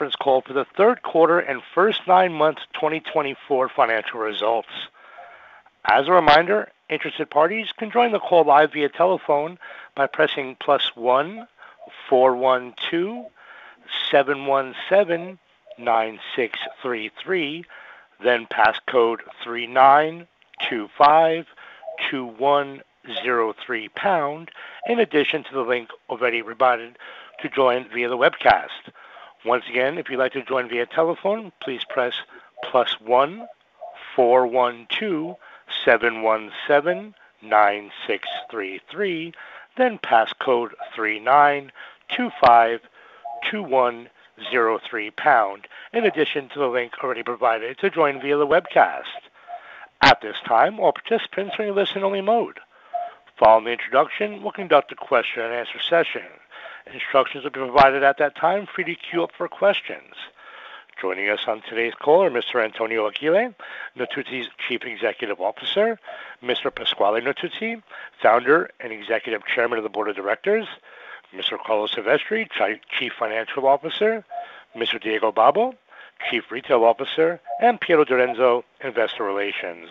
For this call for the third quarter and first nine months 2024 financial results. As a reminder, interested parties can join the call live via telephone by pressing plus 1, 412, 717, 9633, then passcode 39252103#, in addition to the link already provided to join via the webcast. Once again, if you'd like to join via telephone, please press plus 1, 412, 717, 9633, then passcode 39252103#, in addition to the link already provided to join via the webcast. At this time, all participants are in listen-only mode. Following the introduction, we'll conduct a question-and-answer session. Instructions will be provided at that time. Feel free to queue up for questions. Joining us on today's call are Mr. Antonio Achille, Natuzzi's Chief Executive Officer, Mr. Pasquale Natuzzi, Founder and Executive Chairman of the Board of Directors, Mr. Carlo Silvestri, Chief Financial Officer, Mr. Diego Babbo, Chief Retail Officer, and Piero Direnzo, Investor Relations.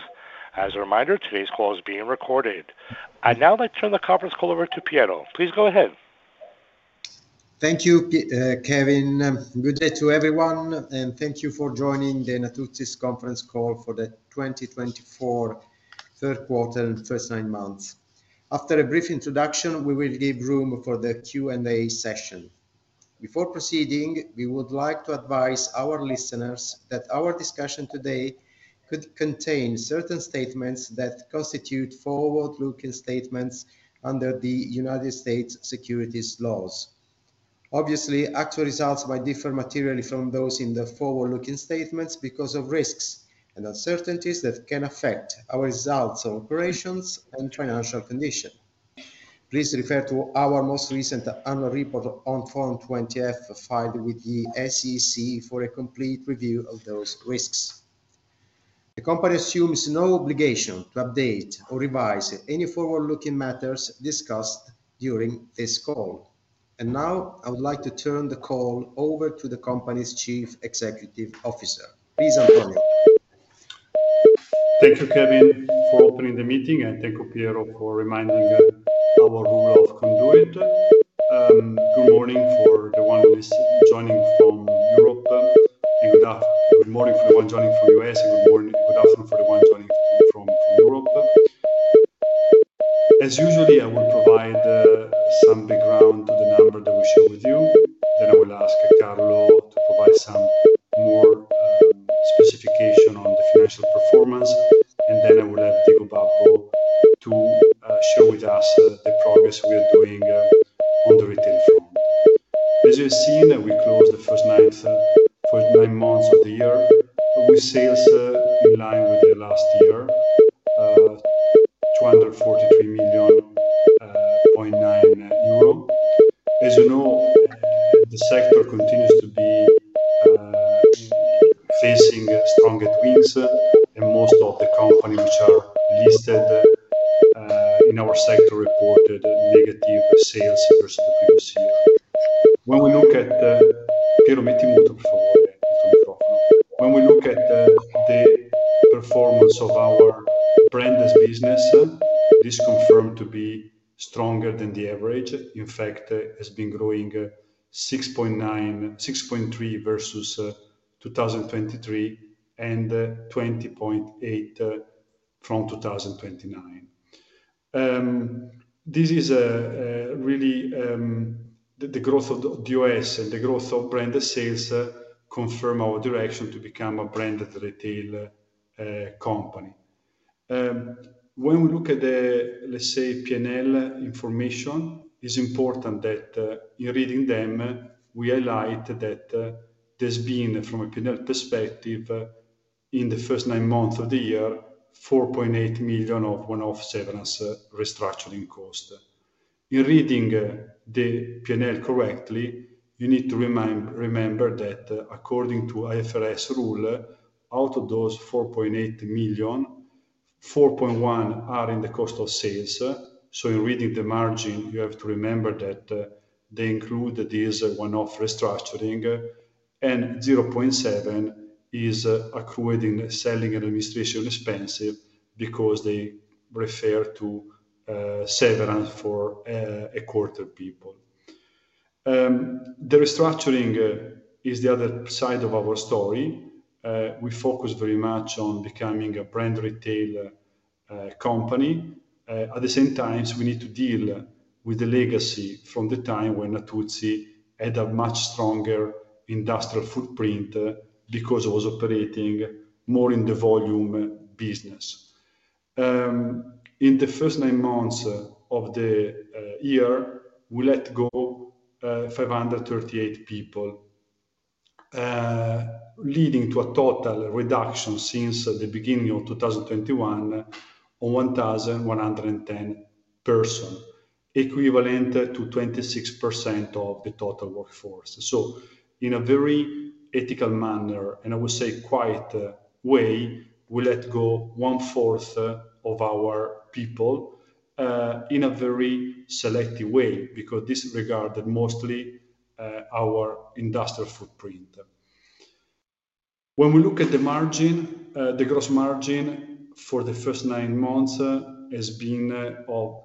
As a reminder, today's call is being recorded. I'd now like to turn the conference call over to Piero. Please go ahead. Thank you, Kevin. Good day to everyone, and thank you for joining the Natuzzi's conference call for the 2024 third quarter and first nine months. After a brief introduction, we will give room for the Q&A session. Before proceeding, we would like to advise our listeners that our discussion today could contain certain statements that constitute forward-looking statements under the United States securities laws. Obviously, actual results might differ materially from those in the forward-looking statements because of risks and uncertainties that can affect our results of operations and financial condition. Please refer to our most recent annual report on Form 20-F filed with the SEC for a complete review of those risks. The company assumes no obligation to update or revise any forward-looking matters discussed during this call. And now, I would like to turn the call over to the company's Chief Executive Officer. Please, Antonio. Thank you, Kevin, for opening the meeting, and thank you, Piero, for reminding our rule of conduct. Good morning for the one joining from Europe, and good morning for the one joining from the US, and good afternoon for the one joining from Europe. As usual, I will provide some background to the number that we share with you. Then I will ask Carlo to provide some more specification on the financial performance, and then I will let Diego Babbo to share with us the progress we are doing on the retail front. As you have seen, we closed the first nine months of the year with sales in line with the last year, EUR 243.9 million. As you know, the sector continues to be facing stronger winds, and most of the companies which are listed in our sector reported negative sales versus the previous year. When we look at the performance of our brand as a business, this confirmed to be stronger than the average. In fact, it has been growing 6.3% versus 2023 and 20.8% from 2019. This is really the growth of the U.S. and the growth of brand sales confirm our direction to become a branded retail company. When we look at the, let's say, P&L information, it's important that in reading them, we highlight that there's been, from a P&L perspective, in the first nine months of the year, 4.8 million of one-off severance restructuring cost. In reading the P&L correctly, you need to remember that according to IFRS rule, out of those 4.8 million, 4.1 are in the cost of sales. So in reading the margin, you have to remember that they include these one-off restructuring, and 0.7 is accrued in selling and administration expenses because they refer to severance for a quarter of people. The restructuring is the other side of our story. We focus very much on becoming a brand retail company. At the same time, we need to deal with the legacy from the time when Natuzzi had a much stronger industrial footprint because it was operating more in the volume business. In the first nine months of the year, we let go 538 people, leading to a total reduction since the beginning of 2021 of 1,110 persons, equivalent to 26% of the total workforce. So in a very ethical manner, and I would say quiet way, we let go one-fourth of our people in a very selective way because this regarded mostly our industrial footprint. When we look at the margin, the gross margin for the first nine months has been of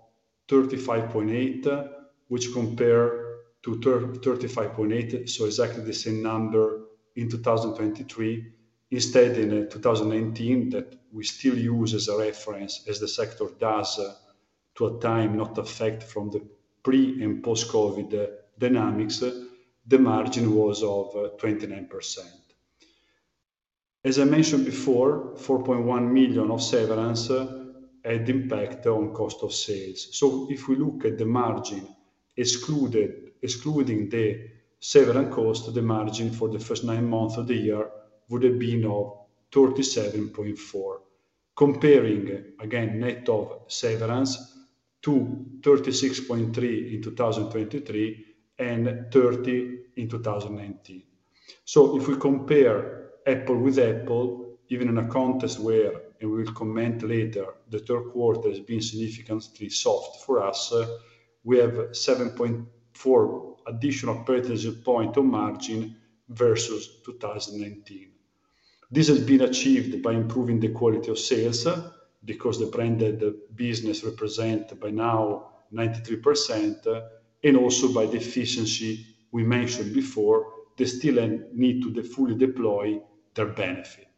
35.8%, which compares to 35.8%, so exactly the same number in 2023. Instead, in 2019, that we still use as a reference, as the sector does to a time not affected from the pre- and post-COVID dynamics, the margin was of 29%. As I mentioned before, 4.1 million of severance had impact on cost of sales. So if we look at the margin, excluding the severance cost, the margin for the first nine months of the year would have been of 37.4%, comparing, again, net of severance to 36.3% in 2023 and 30% in 2019. So if we compare Apple with Apple, even in a context where, and we will comment later, the third quarter has been significantly soft for us, we have 7.4 additional percentage point of margin versus 2019. This has been achieved by improving the quality of sales because the branded business represents by now 93%, and also by the efficiency we mentioned before, they still need to fully deploy their benefit.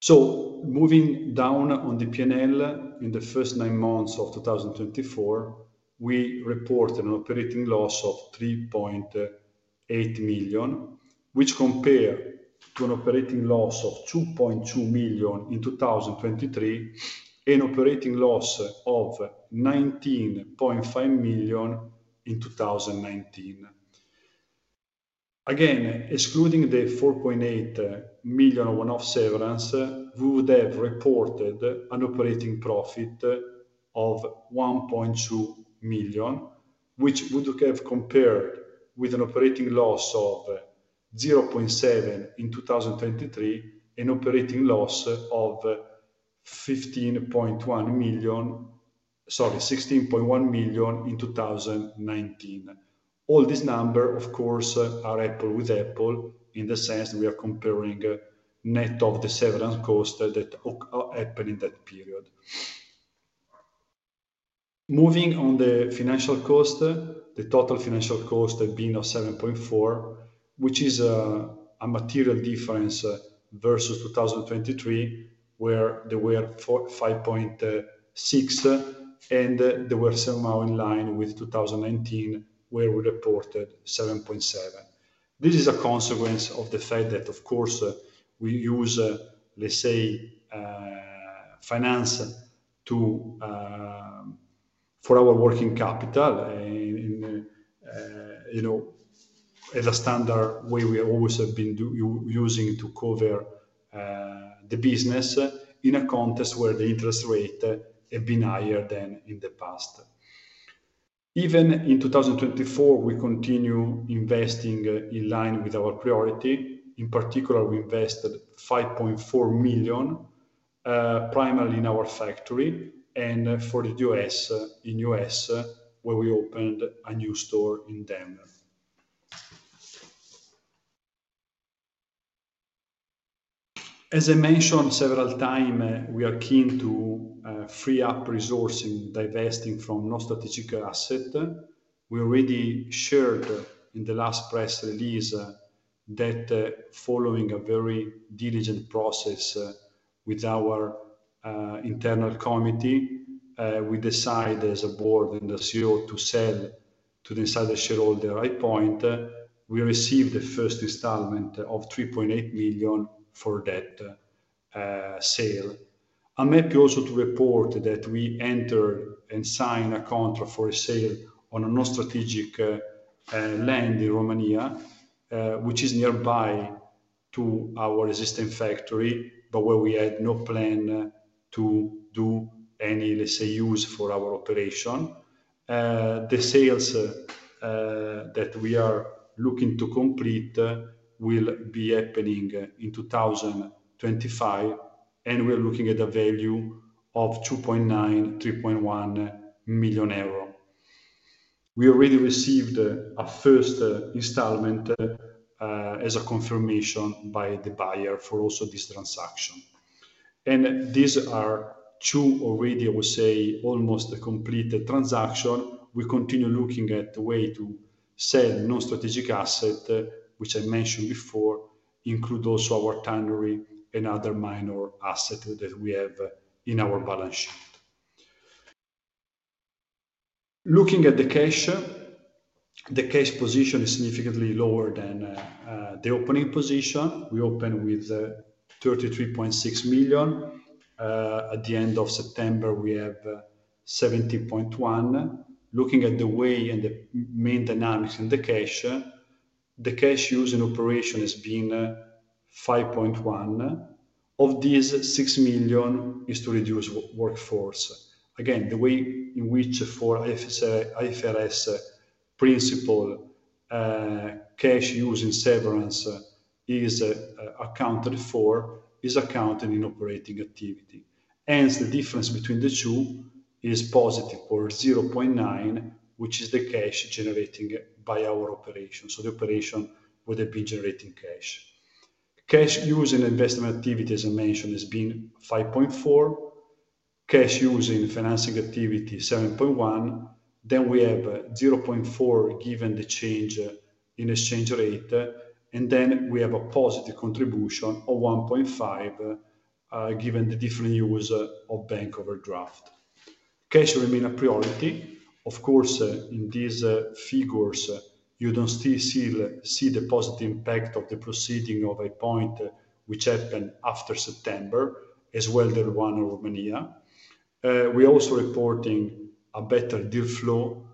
So moving down on the P&L, in the first nine months of 2024, we reported an operating loss of 3.8 million, which compares to an operating loss of 2.2 million in 2023 and an operating loss of 19.5 million in 2019. Again, excluding the 4.8 million of one-off severance, we would have reported an operating profit of 1.2 million, which would have compared with an operating loss of 0.7 million in 2023 and an operating loss of 15.1, sorry, 16.1 million in 2019. All these numbers, of course, are Apple with Apple in the sense that we are comparing net of the severance cost that happened in that period. Moving on the financial cost, the total financial cost had been of 7.4 million, which is a material difference versus 2023, where they were 5.6 million, and they were somehow in line with 2019, where we reported 7.7 million. This is a consequence of the fact that, of course, we use, let's say, finance for our working capital as a standard way we always have been using to cover the business in a context where the interest rate had been higher than in the past. Even in 2024, we continue investing in line with our priority. In particular, we invested 5.4 million, primarily in our factory and for the US, in US, where we opened a new store in Denver. As I mentioned several times, we are keen to free up resources in divesting from non-strategic assets. We already shared in the last press release that following a very diligent process with our internal committee, we decided as a Board and the CEO to sell to the insider shareholder at High Point. We received the first installment of 3.8 million for that sale. I'm happy also to report that we entered and signed a contract for a sale on a non-strategic land in Romania, which is nearby to our existing factory, but where we had no plan to do any, let's say, use for our operation. The sales that we are looking to complete will be happening in 2025, and we're looking at a value of 2.9-3.1 million euro. We already received a first installment as a confirmation by the buyer for also this transaction, and these are two already, I would say, almost completed transactions. We continue looking at the way to sell non-strategic assets, which I mentioned before, include also our tannery and other minor assets that we have in our balance sheet. Looking at the cash, the cash position is significantly lower than the opening position. We opened with 33.6 million. At the end of September, we have 17.1 million. Looking at the way and the main dynamics in the cash, the cash use in operations has been 5.1 million. Of these, 6 million is to reduce workforce. Again, the way in which for IFRS principle, cash use in severance is accounted for is accounted in operating activity. Hence, the difference between the two is positive for 0.9 million, which is the cash generated by our operation. So the operation would have been generating cash. Cash use in investment activity, as I mentioned, has been 5.4 million. Cash use in financing activity, 7.1 million. Then we have 0.4 given the change in exchange rate. And then we have a positive contribution of 1.5 given the different use of bank overdraft. Cash remains a priority. Of course, in these figures, you don't still see the positive impact of the proceeds from High Point which happened after September, as well as the one in Romania. We are also reporting a better deal flow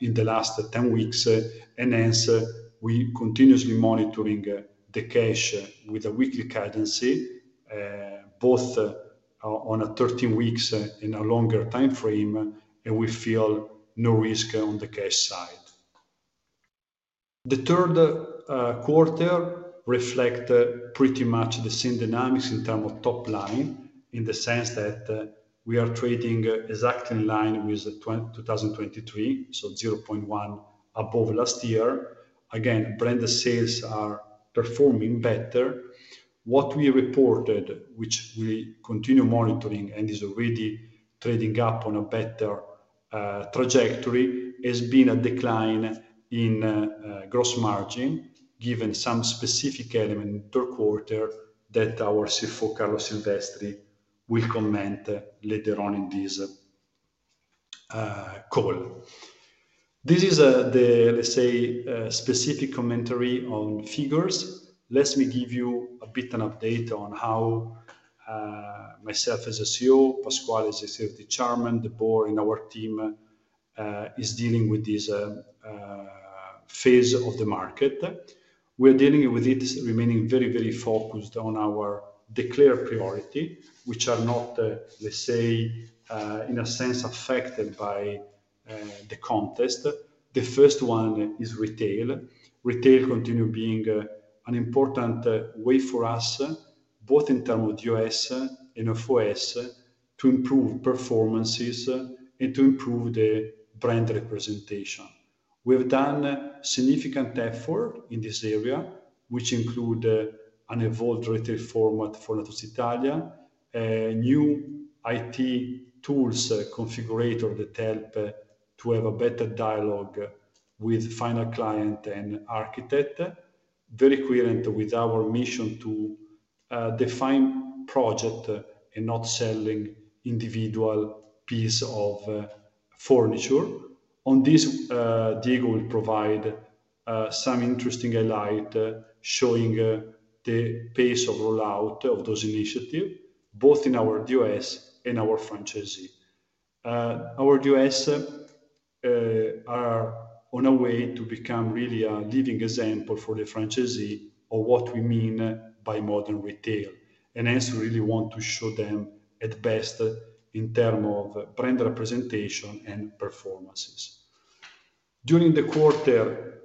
in the last 10 weeks, and hence we continuously monitor the cash with a weekly cadence, both on a 13-week and a longer time frame, and we feel no risk on the cash side. The third quarter reflects pretty much the same dynamics in terms of top line in the sense that we are trading exactly in line with 2023, so 0.1 above last year. Again, branded sales are performing better. What we reported, which we continue monitoring and is already trading up on a better trajectory, has been a decline in gross margin given some specific element in the third quarter that our CFO, Carlo Silvestri, will comment later on in this call. This is the, let's say, specific commentary on figures. Let me give you a bit of an update on how myself as a CEO, Pasquale as the Executive Chairman, the board and our team is dealing with this phase of the market. We are dealing with it, remaining very, very focused on our declared priority, which are not, let's say, in a sense, affected by the context. The first one is retail. Retail continues being an important way for us, both in terms of DOS and FOS, to improve performances and to improve the brand representation. We have done significant effort in this area, which includes an evolved retail format for Natuzzi Italia, new IT tools configurator that help to have a better dialogue with final client and architect, very coherent with our mission to define project and not selling individual pieces of furniture. On this, Diego will provide some interesting highlights showing the pace of rollout of those initiatives, both in our US and our franchisee. Our US are on our way to become really a living example for the franchisee of what we mean by modern retail, and hence, we really want to show them at best in terms of brand representation and performances. During the quarter,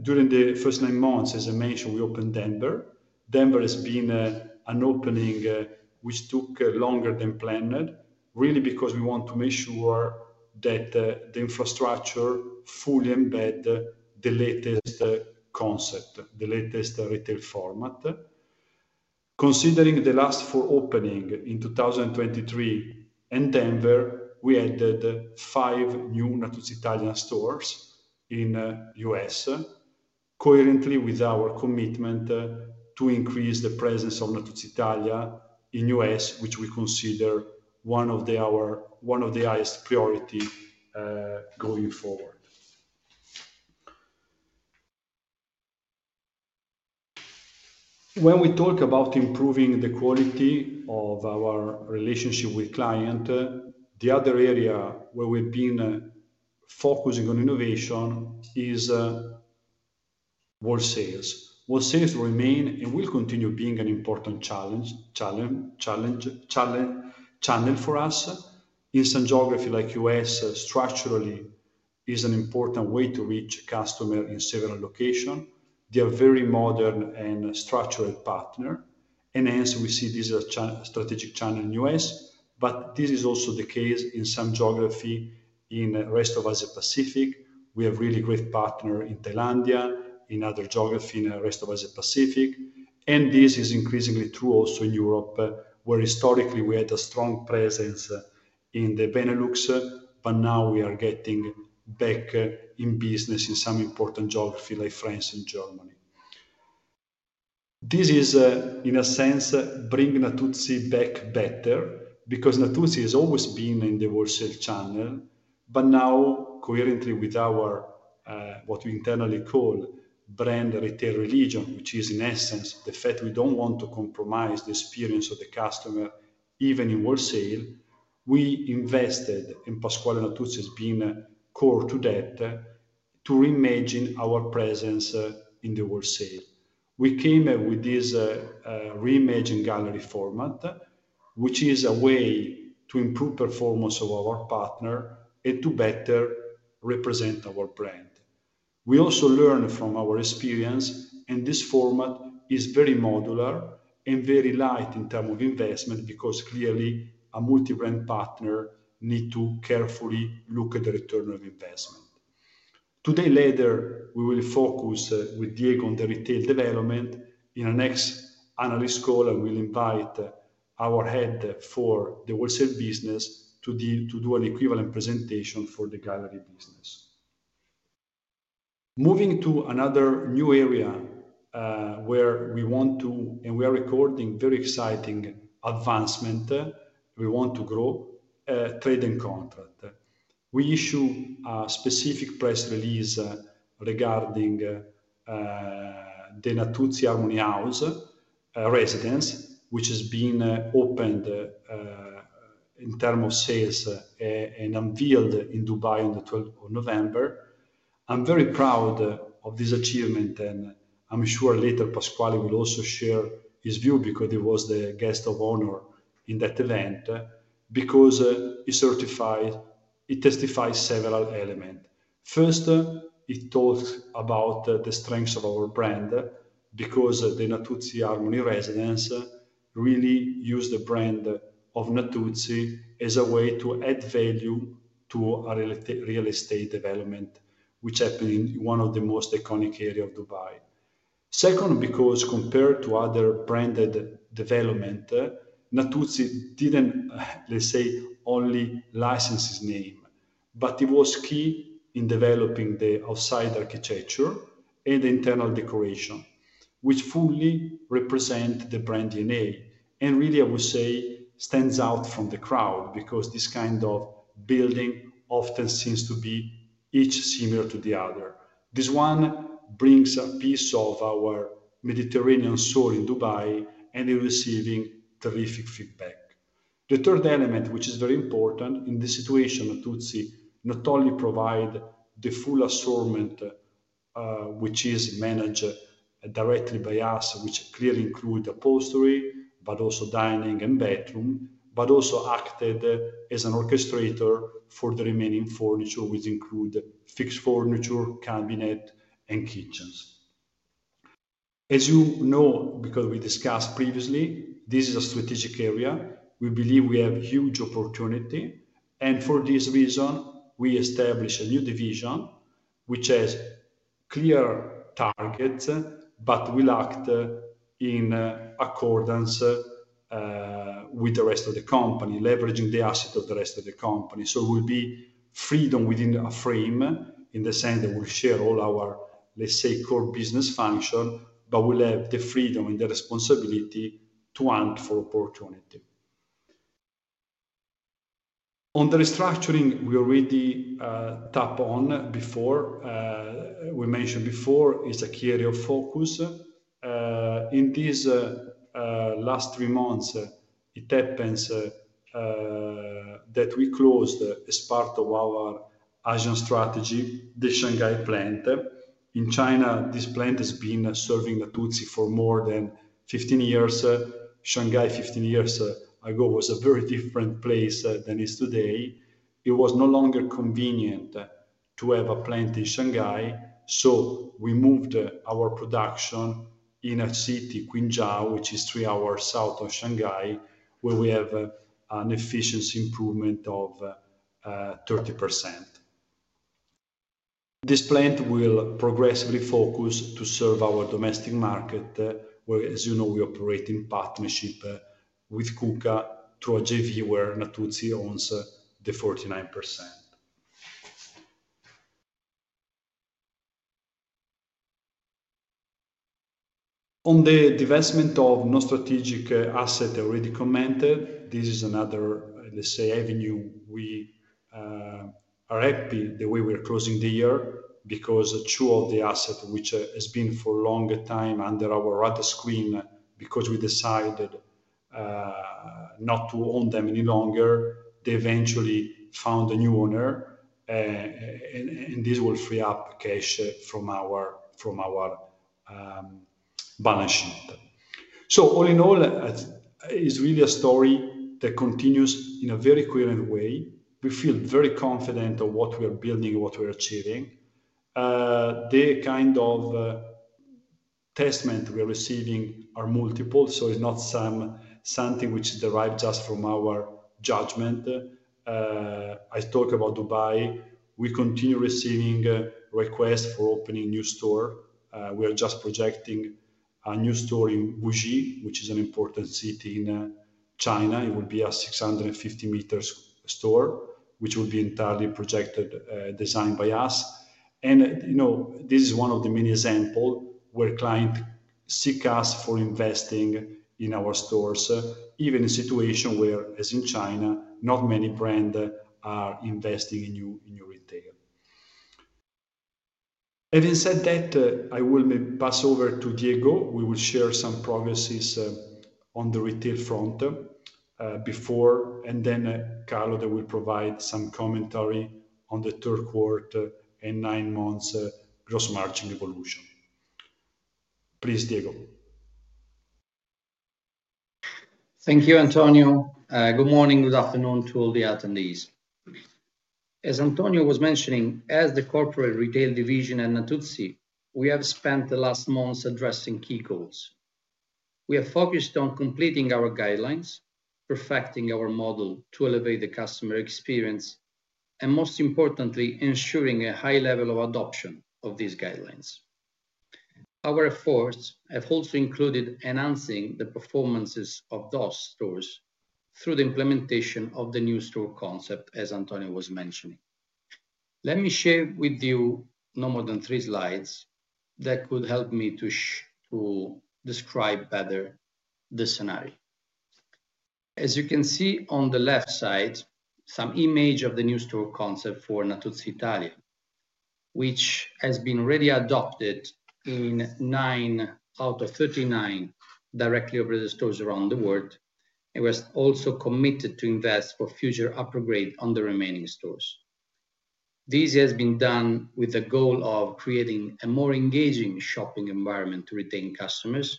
during the first nine months, as I mentioned, we opened Denver. Denver has been an opening which took longer than planned, really because we want to make sure that the infrastructure fully embeds the latest concept, the latest retail format. Considering the last four openings in 2023 and Denver, we added five new Natuzzi Italia stores in the US, coherently with our commitment to increase the presence of Natuzzi Italia in the US, which we consider one of our highest priorities going forward. When we talk about improving the quality of our relationship with clients, the other area where we've been focusing on innovation is wholesale. Wholesale remains and will continue being an important channel for us. In some geographies like the US, structurally, it is an important way to reach customers in several locations. They are very modern and strategic partners, and hence, we see this as a strategic channel in the US. But this is also the case in some geographies in the rest of the Asia-Pacific. We have a really great partner in Thailand, in other geographies in the rest of the Asia-Pacific. And this is increasingly true also in Europe, where historically we had a strong presence in the Benelux, but now we are getting back in business in some important geographies like France and Germany. This is, in a sense, bringing Natuzzi back better because Natuzzi has always been in the wholesale channel. But now, coherently with what we internally call brand retail religion, which is, in essence, the fact we don't want to compromise the experience of the customer even in wholesale, we invested, and Pasquale Natuzzi has been core to that, to reimagine our presence in the wholesale. We came up with this reimagined gallery format, which is a way to improve the performance of our partner and to better represent our brand. We also learned from our experience, and this format is very modular and very light in terms of investment because clearly a multi-brand partner needs to carefully look at the return on investment. Today, later, we will focus with Diego on the retail development in our next analyst call, and we'll invite our head for the wholesale business to do an equivalent presentation for the gallery business. Moving to another new area where we want to, and we are recording very exciting advancement. We want to grow trade and contract. We issued a specific press release regarding the Natuzzi Harmony Residences, which has been opened in terms of sales and unveiled in Dubai on the 12th of November. I'm very proud of this achievement, and I'm sure later Pasquale will also share his view because he was the guest of honor in that event because it certified, it testified several elements. First, it talks about the strengths of our brand because the Natuzzi Harmony Residences really used the brand of Natuzzi as a way to add value to our real estate development, which happened in one of the most iconic areas of Dubai. Second, because compared to other branded developments, Natuzzi didn't, let's say, only license his name, but it was key in developing the outside architecture and the internal decoration, which fully represents the brand DNA. And really, I would say, stands out from the crowd because this kind of building often seems to be each similar to the other. This one brings a piece of our Mediterranean soul in Dubai, and it's receiving terrific feedback. The third element, which is very important in this situation, Natuzzi not only provides the full assortment, which is managed directly by us, which clearly includes upholstery, but also dining and bathroom, but also acted as an orchestrator for the remaining furniture, which includes fixed furniture, cabinet, and kitchens. As you know, because we discussed previously, this is a strategic area. We believe we have huge opportunity. And for this reason, we established a new division, which has clear targets, but we'll act in accordance with the rest of the company, leveraging the assets of the rest of the company. So it will be freedom within a frame in the sense that we'll share all our, let's say, core business functions, but we'll have the freedom and the responsibility to hunt for opportunity. On the restructuring, we already touched on before. We mentioned before it's a key area of focus. In these last three months, it happens that we closed, as part of our Asian strategy, the Shanghai plant. In China, this plant has been serving Natuzzi for more than 15 years. Shanghai, 15 years ago, was a very different place than it is today. It was no longer convenient to have a plant in Shanghai. So we moved our production in a city, Quzhou, which is three hours south of Shanghai, where we have an efficiency improvement of 30%. This plant will progressively focus to serve our domestic market, where, as you know, we operate in partnership with KUKA through a JV where Natuzzi owns the 49%. On the development of non-strategic assets, I already commented. This is another, let's say, avenue. We are happy the way we are closing the year because two of the assets, which have been for a long time under our radar screen, because we decided not to own them any longer, they eventually found a new owner, and this will free up cash from our balance sheet. All in all, it's really a story that continues in a very coherent way. We feel very confident of what we are building and what we are achieving. The kind of testament we are receiving are multiple, so it's not something which is derived just from our judgment. I talked about Dubai. We continue receiving requests for opening new stores. We are just projecting a new store in Wuxi, which is an important city in China. It will be a 650-meter store, which will be entirely projected, designed by us. And this is one of the many examples where clients seek us for investing in our stores, even in a situation where, as in China, not many brands are investing in new retail. Having said that, I will pass over to Diego. We will share some progress on the retail front before, and then Carlo will provide some commentary on the third quarter and nine months' gross margin evolution. Please, Diego. Thank you, Antonio. Good morning, good afternoon to all the attendees. As Antonio was mentioning, as the corporate retail division at Natuzzi, we have spent the last months addressing key goals. We have focused on completing our guidelines, perfecting our model to elevate the customer experience, and most importantly, ensuring a high level of adoption of these guidelines. Our efforts have also included enhancing the performances of those stores through the implementation of the new store concept, as Antonio was mentioning. Let me share with you no more than three slides that could help me to describe better the scenario. As you can see on the left side, some images of the new store concept for Natuzzi Italia, which has been already adopted in nine out of 39 directly operating stores around the world. It was also committed to invest for future upgrades on the remaining stores. This has been done with the goal of creating a more engaging shopping environment to retain customers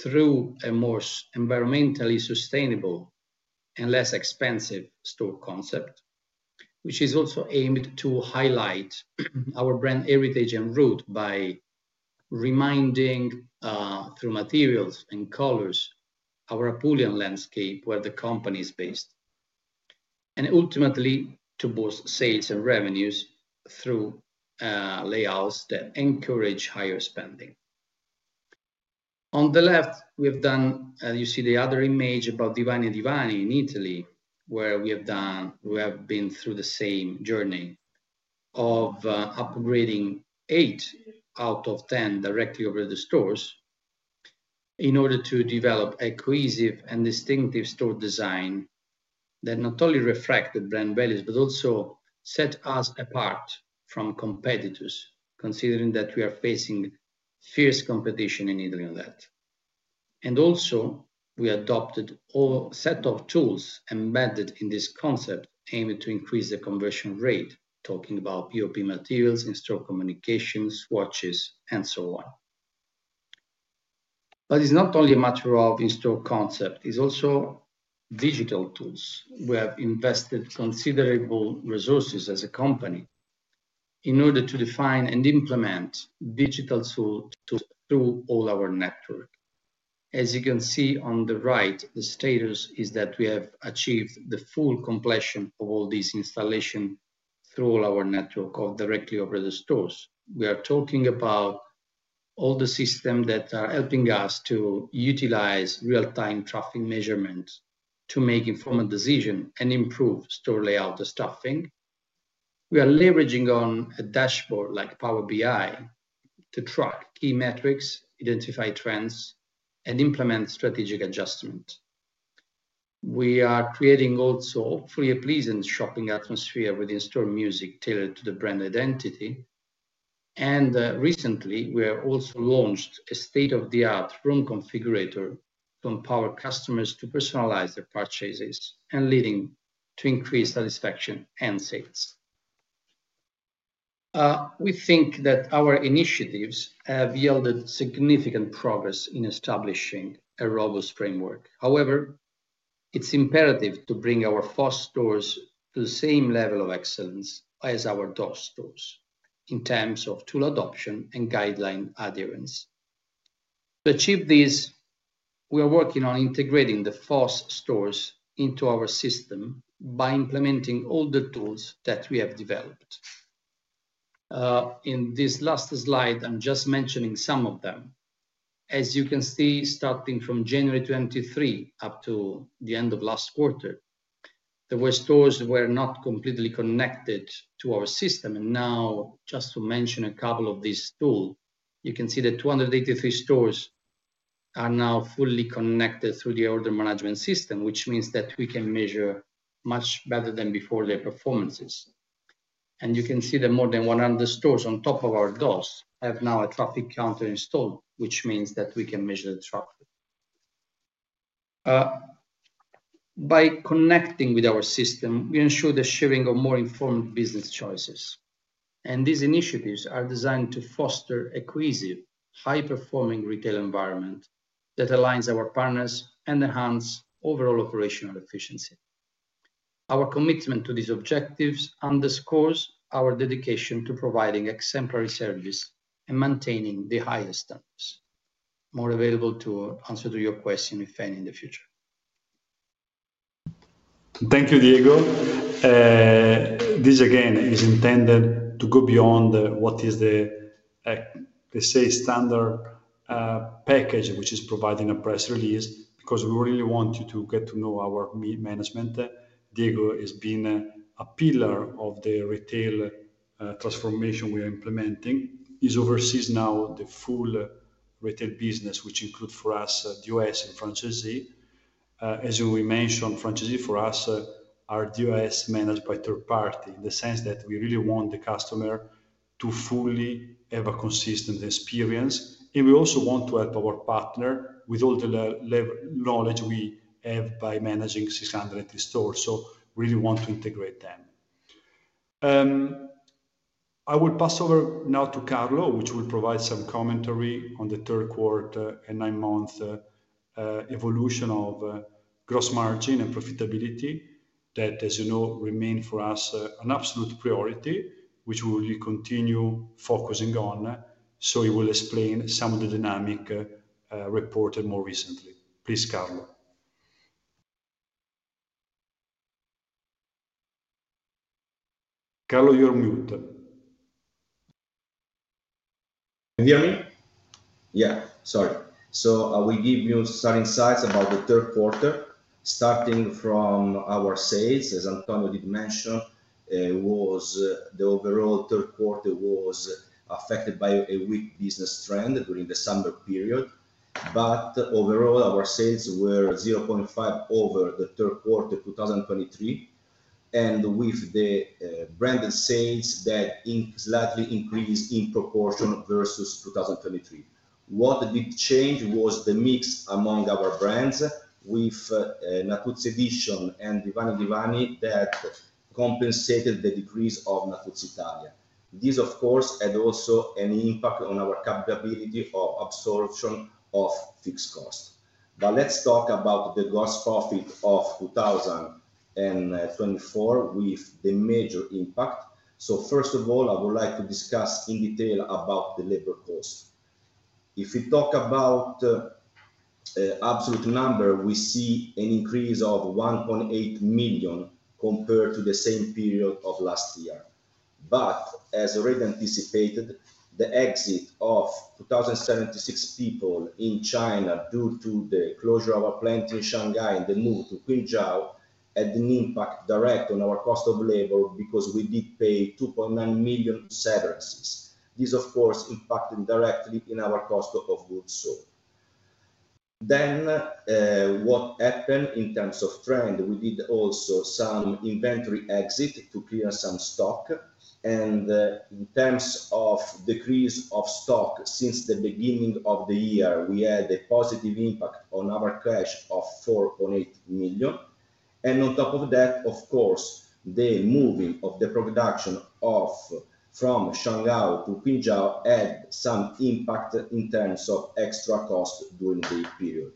through a more environmentally sustainable and less expensive store concept, which is also aimed to highlight our brand heritage and root by reminding through materials and colors of our Apulian landscape where the company is based. And ultimately, to boost sales and revenues through layouts that encourage higher spending. On the left, we have done, as you see the other image about Divani Divani in Italy, where we have been through the same journey of upgrading eight out of ten directly operating stores in order to develop a cohesive and distinctive store design that not only reflects the brand values, but also sets us apart from competitors, considering that we are facing fierce competition in Italy on that. And also, we adopted a set of tools embedded in this concept aimed to increase the conversion rate, talking about POP materials in store communications, swatches, and so on. But it's not only a matter of in-store concept. It's also digital tools. We have invested considerable resources as a company in order to define and implement digital tools through all our network. As you can see on the right, the status is that we have achieved the full completion of all these installations through all our network of directly operating stores. We are talking about all the systems that are helping us to utilize real-time traffic measurements to make informed decisions and improve store layout and staffing. We are leveraging a dashboard like Power BI to track key metrics, identify trends, and implement strategic adjustments. We are creating also a fully pleasant shopping atmosphere with in-store music tailored to the brand identity, and recently, we have also launched a state-of-the-art room configurator to empower customers to personalize their purchases, leading to increased satisfaction and sales. We think that our initiatives have yielded significant progress in establishing a robust framework. However, it's imperative to bring our FOS stores to the same level of excellence as our DOS stores in terms of tool adoption and guideline adherence. To achieve this, we are working on integrating the FOS stores into our system by implementing all the tools that we have developed. In this last slide, I'm just mentioning some of them. As you can see, starting from January 23 up to the end of last quarter, there were stores that were not completely connected to our system, and now, just to mention a couple of these tools, you can see that 283 stores are now fully connected through the order management system, which means that we can measure much better than before their performances, and you can see that more than 100 stores on top of our DOS have now a traffic counter installed, which means that we can measure the traffic. By connecting with our system, we ensure the sharing of more informed business choices. And these initiatives are designed to foster a cohesive, high-performing retail environment that aligns our partners and enhances overall operational efficiency. Our commitment to these objectives underscores our dedication to providing exemplary service and maintaining the highest standards. More available to answer your questions, if any, in the future. Thank you, Diego. This, again, is intended to go beyond what is the, let's say, standard package which is provided in a press release because we really want you to get to know our management. Diego has been a pillar of the retail transformation we are implementing. He's oversees now the full retail business, which includes for us DOS and franchise. As we mentioned, franchisees for us are DOS managed by third-party in the sense that we really want the customer to fully have a consistent experience. And we also want to help our partner with all the knowledge we have by managing 600 stores. So we really want to integrate them. I will pass over now to Carlo, which will provide some commentary on the third quarter and nine-month evolution of gross margin and profitability that, as you know, remains for us an absolute priority, which we will continue focusing on. So he will explain some of the dynamics reported more recently. Please, Carlo. Carlo, you're on mute. Can you hear me? Yeah. Sorry. We give you some insights about the third quarter, starting from our sales. As Antonio did mention, the overall third quarter was affected by a weak business trend during the summer period. But overall, our sales were 0.5% over the third quarter of 2023, and with the branded sales that slightly increased in proportion versus 2023. What did change was the mix among our brands with Natuzzi Editions and Divani Divani that compensated the decrease of Natuzzi Italia. This, of course, had also an impact on our capability of absorption of fixed costs. But let's talk about the gross profit of 2024 with the major impact. So first of all, I would like to discuss in detail about the labor cost. If we talk about absolute number, we see an increase of 1.8 million compared to the same period of last year. But as already anticipated, the exit of 2,076 people in China due to the closure of our plant in Shanghai and the move to Quzhou had an impact direct on our cost of labor because we did pay 2.9 million severances. This, of course, impacted directly on our cost of goods. Then what happened in terms of trend? We did also some inventory exit to clear some stock. And in terms of decrease of stock since the beginning of the year, we had a positive impact on our cash of 4.8 million. And on top of that, of course, the moving of the production from Shanghai to Quzhou had some impact in terms of extra cost during the period.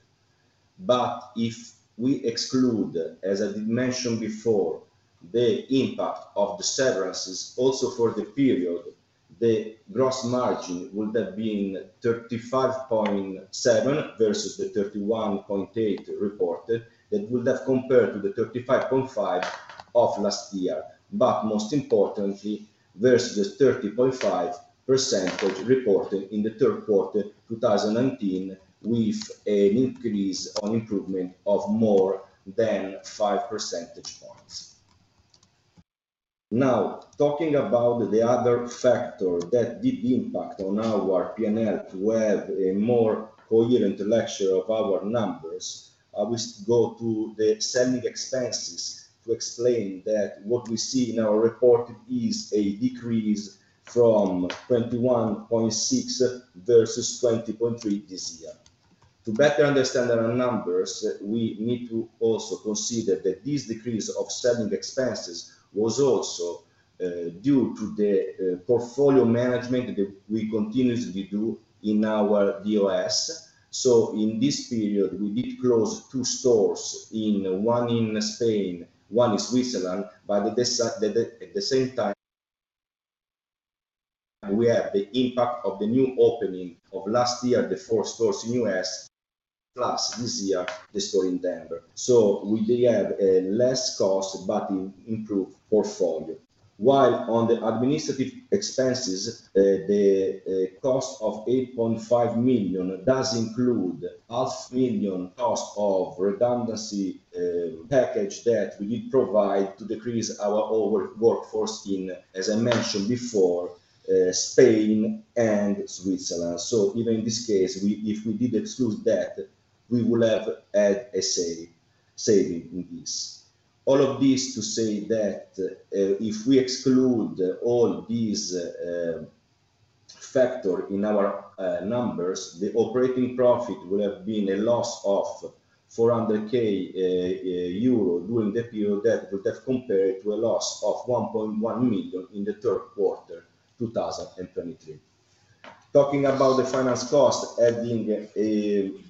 But if we exclude, as I did mention before, the impact of the severances also for the period, the gross margin would have been 35.7% versus the 31.8% reported that would have compared to the 35.5% of last year. But most importantly, versus the 30.5% reported in the third quarter 2019 with an increase or improvement of more than 5 percentage points. Now, talking about the other factor that did impact on our P&L to have a more coherent picture of our numbers, I will go to the selling expenses to explain that what we see in our report is a decrease from 21.6% versus 20.3% this year. To better understand our numbers, we need to also consider that this decrease of selling expenses was also due to the portfolio management that we continuously do in our DOS. So in this period, we did close two stores, one in Spain, one in Switzerland. But at the same time, we had the impact of the new opening of last year, the four stores in the US, plus this year, the store in Denver. So we did have a less cost but improved portfolio. While on the administrative expenses, the cost of 8.5 million does include 500,000 cost of redundancy package that we did provide to decrease our workforce in, as I mentioned before, Spain and Switzerland. So even in this case, if we did exclude that, we would have had a saving in this. All of this to say that if we exclude all these factors in our numbers, the operating profit would have been a loss of 400,000 euro during the period that would have compared to a loss of 1.1 million in the third quarter 2023. Talking about the finance cost, adding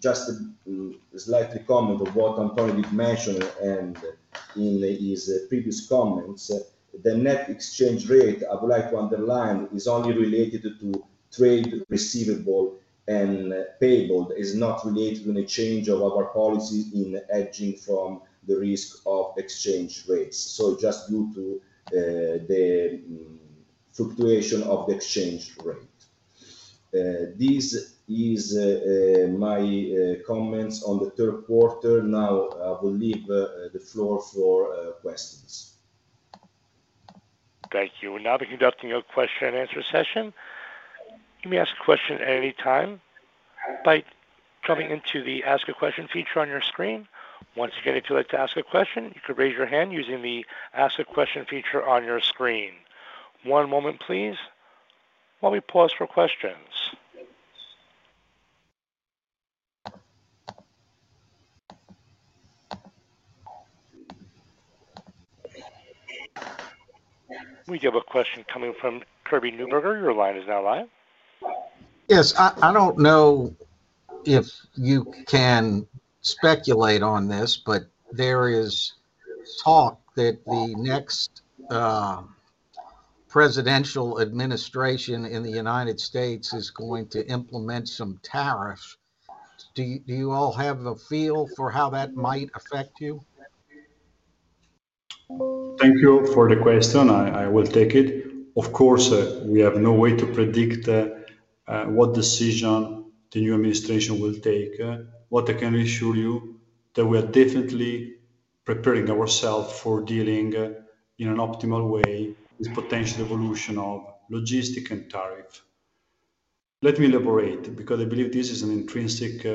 just a slight comment of what Antonio did mention in his previous comments, the net exchange rate I would like to underline is only related to trade receivable and payable. It is not related to any change of our policy in hedging from the risk of exchange rates. So just due to the fluctuation of the exchange rate. This is my comments on the third quarter. Now, I will leave the floor for questions. Thank you. Now, we're conducting a question-and-answer session. You may ask a question at any time by jumping into the Ask a Question feature on your screen. Once again, if you'd like to ask a question, you could raise your hand using the Ask a Question feature on your screen. One moment, please, while we pause for questions. We do have a question coming from Kirby Neuberger. Your line is now live. Yes. I don't know if you can speculate on this, but there is talk that the next presidential administration in the United States is going to implement some tariffs. Do you all have a feel for how that might affect you? Thank you for the question. I will take it. Of course, we have no way to predict what decision the new administration will take. What I can assure you, that we are definitely preparing ourselves for dealing in an optimal way with potential evolution of logistics and tariffs. Let me elaborate because I believe this is an intrinsic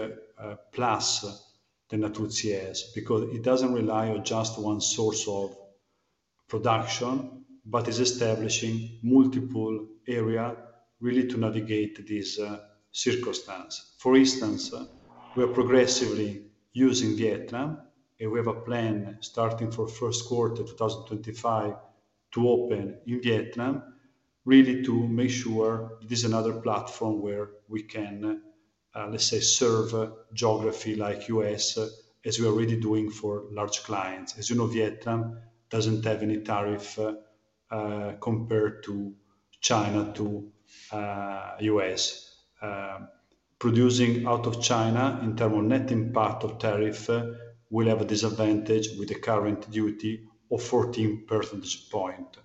plus that Natuzzi has because it doesn't rely on just one source of production, but is establishing multiple areas really to navigate these circumstances. For instance, we are progressively using Vietnam, and we have a plan starting for first quarter 2025 to open in Vietnam really to make sure it is another platform where we can, let's say, serve geography like the U.S., as we are already doing for large clients. As you know, Vietnam doesn't have any tariff compared to China to the U.S. Producing out of China in terms of net impact of tariff will have a disadvantage with the current duty of 14 percentage points.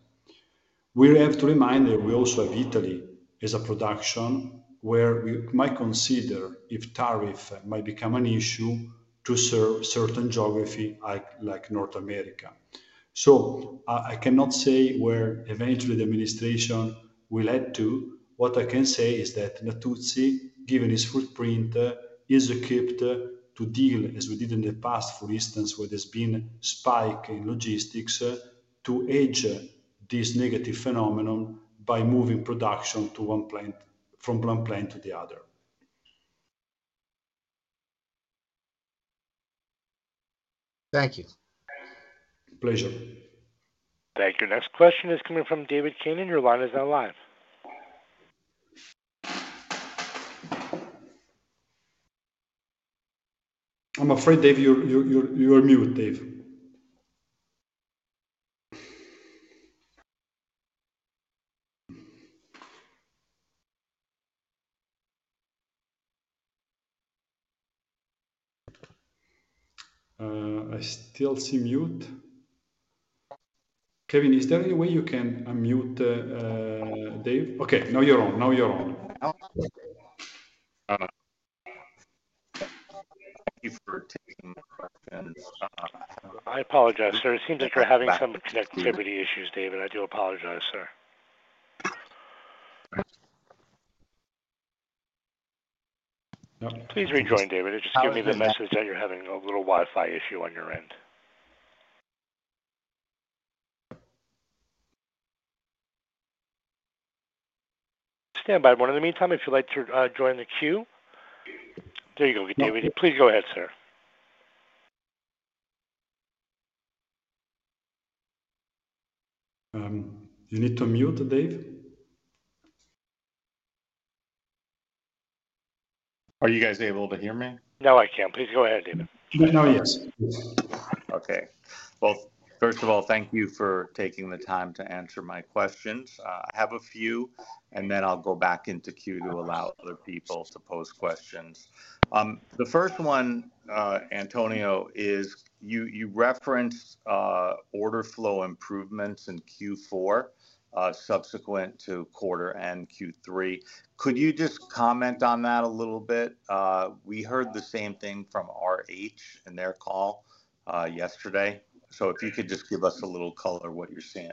We have to remind that we also have Italy as a production where we might consider if tariff might become an issue to serve certain geographies like North America. So I cannot say where eventually the administration will head to. What I can say is that Natuzzi, given its footprint, is equipped to deal, as we did in the past, for instance, where there's been a spike in logistics, to edge this negative phenomenon by moving production from one plant to the other. Thank you. Pleasure. Thank you. Next question is coming from David Kanen. Your line is now live. I'm afraid, Dave, you're on mute, Dave. I still see mute. Kevin, is there any way you can unmute Dave? Okay. Now you're on. Now you're on. Thank you for taking the questions. I apologize, sir. It seems like you're having some connectivity issues, David. I do apologize, sir. Please rejoin, David. It just gave me the message that you're having a little Wi-Fi issue on your end. Stand by. In the meantime, if you'd like to join the queue. There you go, David. Please go ahead, sir. You need to mute, Dave? Are you guys able to hear me? Now, I can. Please go ahead, David. Yes. Okay. Well, first of all, thank you for taking the time to answer my questions. I have a few, and then I'll go back into queue to allow other people to pose questions. The first one, Antonio, is you referenced order flow improvements in Q4 subsequent to quarter and Q3. Could you just comment on that a little bit? We heard the same thing from RH in their call yesterday. So if you could just give us a little color of what you're seeing.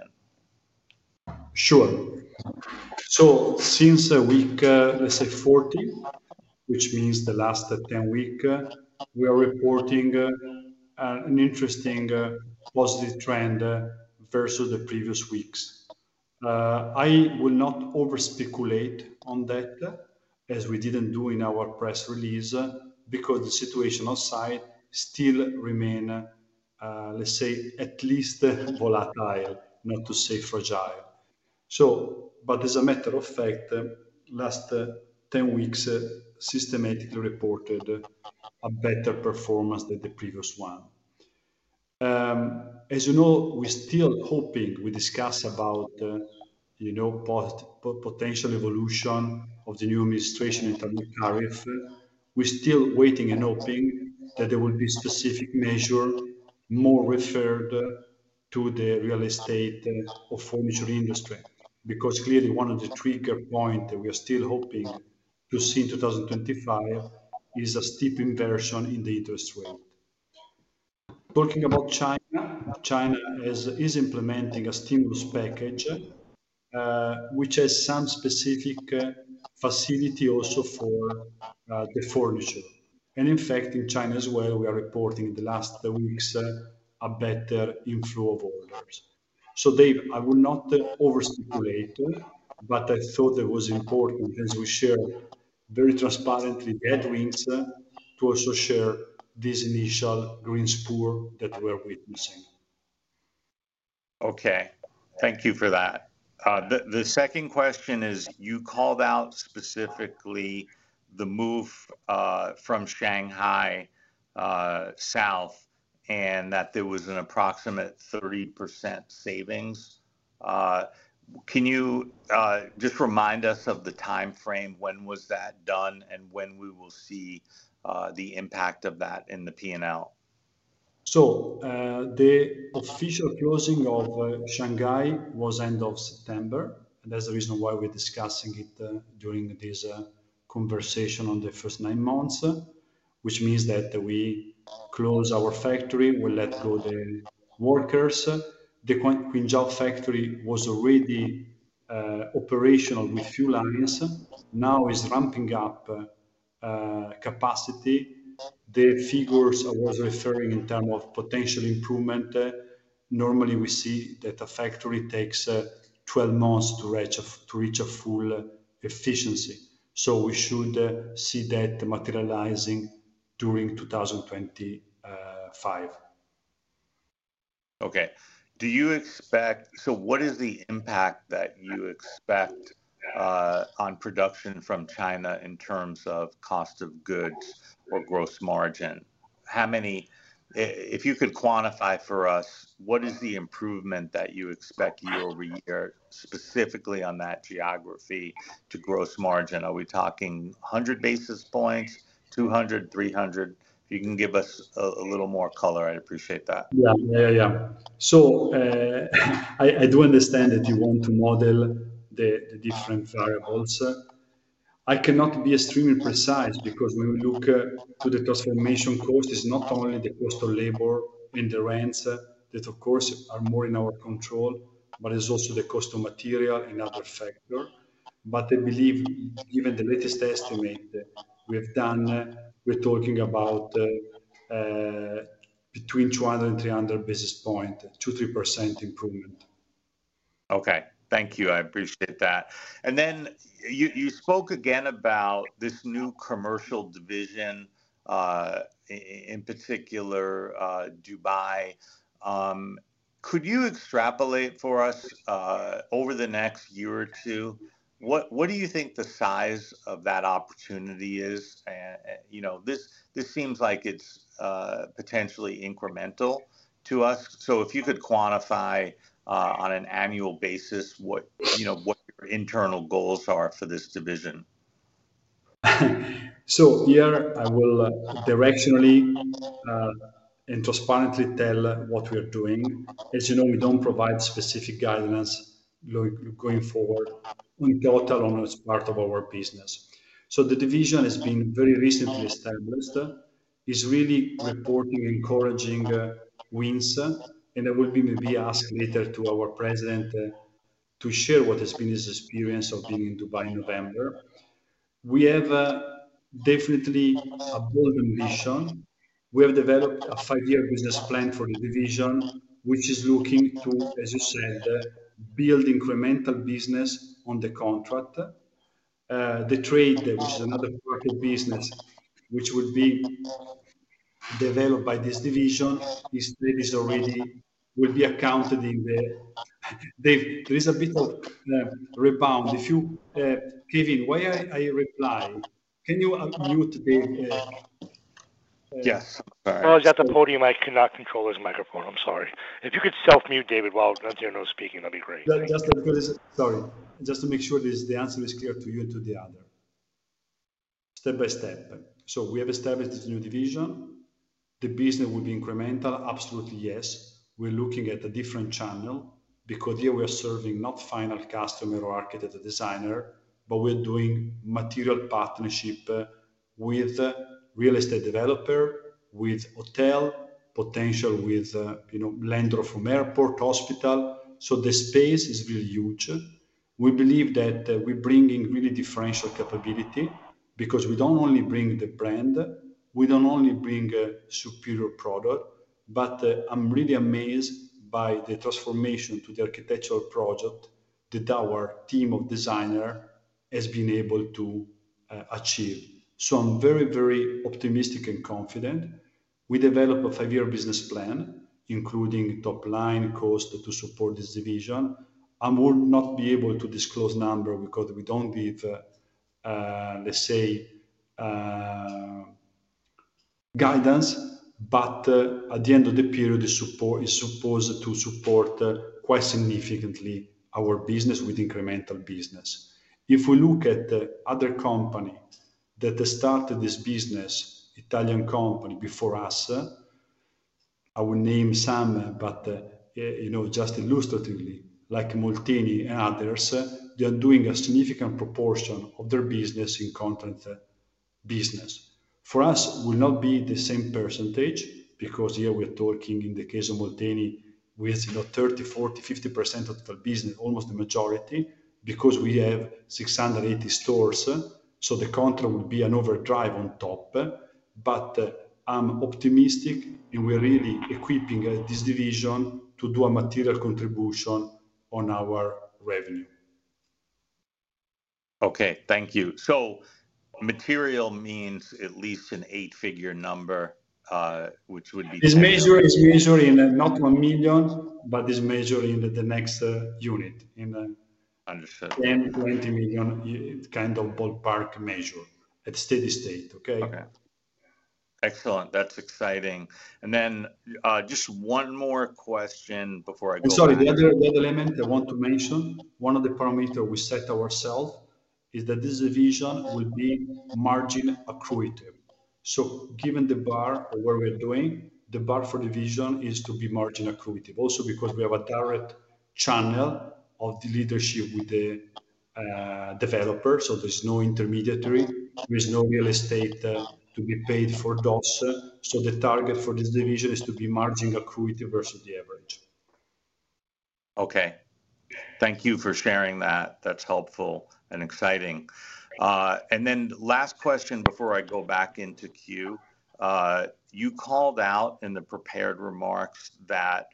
Sure. So since week, let's say, 14, which means the last 10 weeks, we are reporting an interesting positive trend versus the previous weeks. I will not over-speculate on that, as we didn't do in our press release, because the situation outside still remains, let's say, at least volatile, not to say fragile. But as a matter of fact, the last 10 weeks systematically reported a better performance than the previous one. As you know, we're still hoping we discuss about potential evolution of the new administration and tariff. We're still waiting and hoping that there will be specific measures more referred to the real estate or furniture industry because clearly one of the trigger points that we are still hoping to see in 2025 is a steep inversion in the interest rate. Talking about China, China is implementing a stimulus package, which has some specific facility also for the furniture. In fact, in China as well, we are reporting in the last weeks a better inflow of orders. So Dave, I will not over-speculate, but I thought it was important as we share very transparently the headwinds to also share this initial green shoots that we are witnessing. Okay. Thank you for that. The second question is you called out specifically the move from Shanghai south and that there was an approximate 30% savings. Can you just remind us of the timeframe? When was that done and when we will see the impact of that in the P&L? So the official closing of Shanghai was end of September. That's the reason why we're discussing it during this conversation on the first nine months, which means that we close our factory, we let go the workers. The Quzhou factory was already operational with few lines. Now it's ramping up capacity. The figures I was referring to in terms of potential improvement, normally we see that a factory takes 12 months to reach a full efficiency. So we should see that materializing during 2025. Okay. So what is the impact that you expect on production from China in terms of cost of goods or gross margin? If you could quantify for us, what is the improvement that you expect year over year specifically on that geography to gross margin? Are we talking 100 basis points, 200, 300? If you can give us a little more color, I'd appreciate that. Yeah. Yeah. Yeah. So I do understand that you want to model the different variables. I cannot be extremely precise because when we look to the transformation cost, it's not only the cost of labor and the rents that, of course, are more in our control, but it's also the cost of material and other factors. But I believe given the latest estimate we've done, we're talking about between 200 and 300 basis points, 2-3% improvement. Okay. Thank you. I appreciate that. And then you spoke again about this new commercial division, in particular, Dubai. Could you extrapolate for us over the next year or two? What do you think the size of that opportunity is? This seems like it's potentially incremental to us. So if you could quantify on an annual basis what your internal goals are for this division. So here, I will directionally and transparently tell what we are doing. As you know, we don't provide specific guidelines going forward on total or as part of our business, so the division has been very recently established. It's really reporting encouraging wins, and I will be maybe asking later to our president to share what has been his experience of being in Dubai in November. We have definitely a bold ambition. We have developed a five-year business plan for the division, which is looking to, as you said, build incremental business on the contract. The trade, which is another corporate business, which will be developed by this division, is already. Will be accounted in the P&L, there is a bit of rebound. If you, Kevin, why I reply, can you unmute, David? Yes. Sorry, well, he's at the podium. I could not control his microphone. I'm sorry. If you could self-mute, David, while Antonio is speaking, that'd be great. Sorry. Just to make sure the answer is clear to you and to the others. Step by step. So we have established this new division. The business will be incremental. Absolutely, yes. We're looking at a different channel because here we are serving not final customer or architect or designer, but we're doing material partnership with real estate developer, with hotel, potential with landlord from airport, hospital. So the space is really huge. We believe that we're bringing really differential capability because we don't only bring the brand, we don't only bring a superior product, but I'm really amazed by the transformation to the architectural project that our team of designers has been able to achieve. So I'm very, very optimistic and confident. We developed a five-year business plan, including top-line cost to support this division. I will not be able to disclose numbers because we don't give, let's say, guidance, but at the end of the period, it's supposed to support quite significantly our business with incremental business. If we look at other companies that started this business, Italian company before us, I will name some, but just illustratively, like Molteni and others, they are doing a significant proportion of their business in contract business. For us, it will not be the same percentage because here we are talking in the case of Molteni with 30%, 40%, 50% of the business, almost the majority, because we have 680 stores. So the contract will be an overdrive on top. But I'm optimistic and we're really equipping this division to do a material contribution on our revenue. Okay. Thank you. So material means at least an eight-figure number, which would be 10. This measure is measuring not one million, but this measure in the next unit in 10, 20 million, kind of ballpark measure at steady state. Okay? Okay. Excellent. That's exciting. And then just one more question before I go to. I'm sorry. The other element I want to mention, one of the parameters we set ourselves is that this division will be margin accretive. So given the bar of what we're doing, the bar for the division is to be margin accretive. Also because we have a direct channel of the leadership with the developers. So there's no intermediary. There's no real estate to be paid for those. So the target for this division is to be margin accretive versus the average. Okay. Thank you for sharing that. That's helpful and exciting. And then last question before I go back into queue. You called out in the prepared remarks that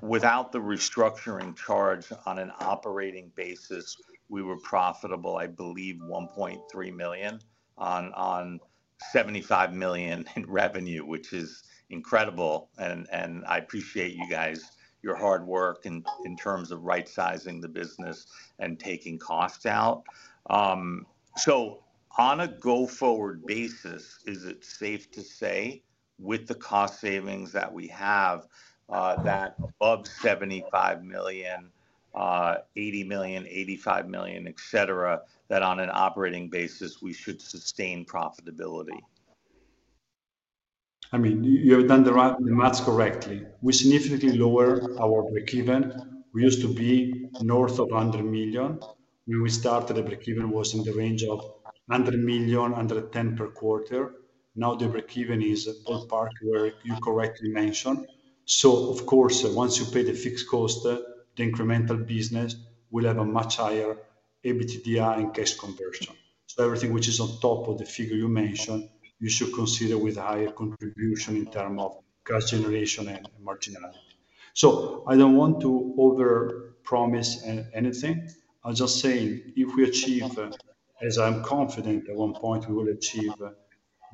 without the restructuring charge on an operating basis, we were profitable, I believe, 1.3 million on 75 million in revenue, which is incredible, and I appreciate you guys, your hard work in terms of right-sizing the business and taking costs out, so on a go-forward basis, is it safe to say with the cost savings that we have that above 75 million, 80 million, 85 million, etc., that on an operating basis, we should sustain profitability? I mean, you have done the math correctly. We significantly lower our break-even. We used to be north of 100 million. When we started, the break-even was in the range of 100 million, under 10 million per quarter. Now the break-even is ballpark where you correctly mentioned. So of course, once you pay the fixed cost, the incremental business will have a much higher EBITDA and cash conversion. So everything which is on top of the figure you mentioned, you should consider with higher contribution in terms of cash generation and marginality. So I don't want to over-promise anything. I'm just saying if we achieve, as I'm confident at one point we will achieve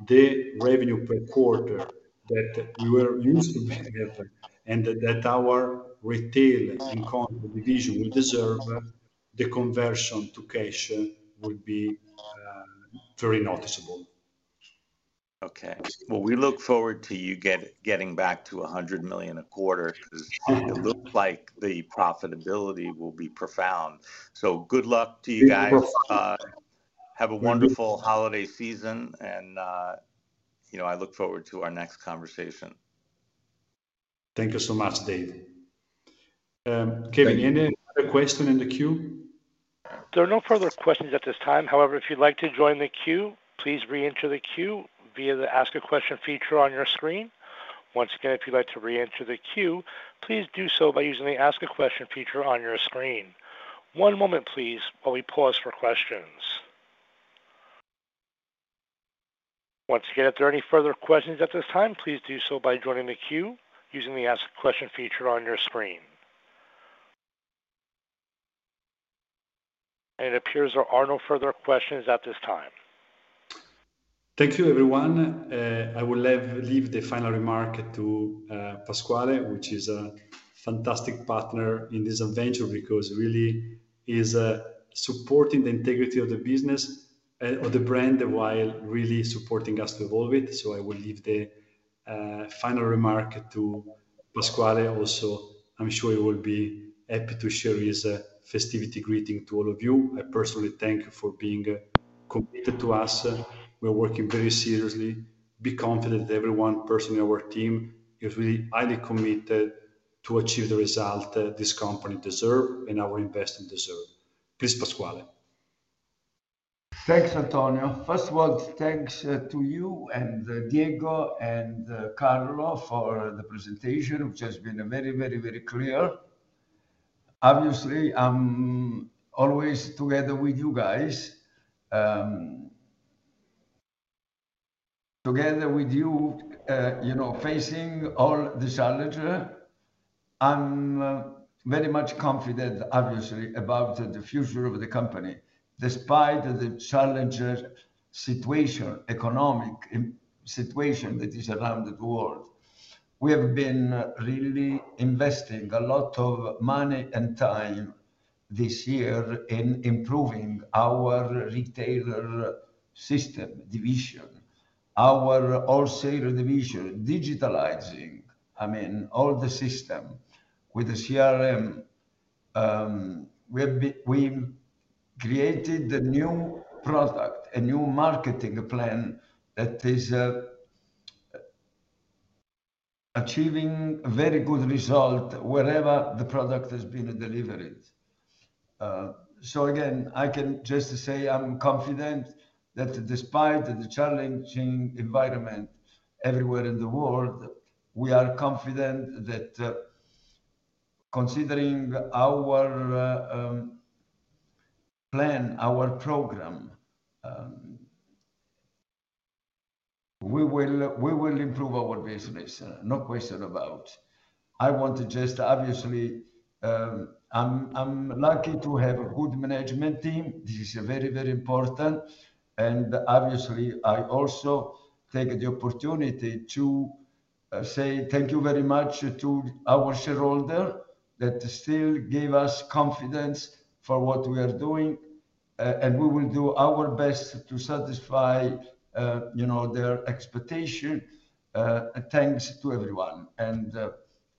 the revenue per quarter that we were used to have, and that our retail and contract division will deserve the conversion to cash would be very noticeable. Okay. Well, we look forward to you getting back to 100 million a quarter because it looks like the profitability will be profound. So good luck to you guys. Have a wonderful holiday season. And I look forward to our next conversation. Thank you so much, Dave. Kevin, any other question in the queue? There are no further questions at this time. However, if you'd like to join the queue, please re-enter the queue via the ask a question feature on your screen. Once again, if you'd like to re-enter the queue, please do so by using the ask a question feature on your screen. One moment, please, while we pause for questions. Once again, if there are any further questions at this time, please do so by joining the queue using the ask a question feature on your screen, and it appears there are no further questions at this time. Thank you, everyone. I will leave the final remark to Pasquale, which is a fantastic partner in this adventure because really he's supporting the integrity of the business and of the brand while really supporting us to evolve it, so I will leave the final remark to Pasquale. Also, I'm sure he will be happy to share his festive greeting to all of you. I personally thank you for being committed to us. We're working very seriously. Be confident that everyone personally in our team is really highly committed to achieve the result this company deserves and our investment deserves. Please, Pasquale. Thanks, Antonio. First of all, thanks to you and Diego and Carlo for the presentation, which has been very, very, very clear. Obviously, I'm always together with you guys, together with you facing all the challenges. I'm very much confident, obviously, about the future of the company despite the challenging situation, economic situation that is around the world. We have been really investing a lot of money and time this year in improving our retail system division, our wholesale division, digitalizing, I mean, all the system with the CRM. We created a new product, a new marketing plan that is achieving a very good result wherever the product has been delivered. So again, I can just say I'm confident that despite the challenging environment everywhere in the world, we are confident that considering our plan, our program, we will improve our business, no question about it. I want to just, obviously, I'm lucky to have a good management team. This is very, very important. And obviously, I also take the opportunity to say thank you very much to our shareholders that still give us confidence for what we are doing. And we will do our best to satisfy their expectation. Thanks to everyone. And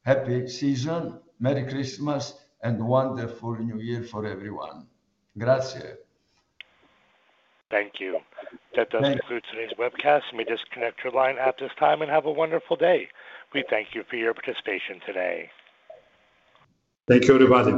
happy season, Merry Christmas, and wonderful New Year for everyone. Grazie. Thank you. That does conclude today's webcast. Let me just connect your line at this time and have a wonderful day. We thank you for your participation today. Thank you, everybody.